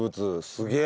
すげえ。